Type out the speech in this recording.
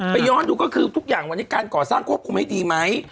ย้อนดูก็คือทุกอย่างวันนี้การก่อสร้างควบคุมให้ดีไหม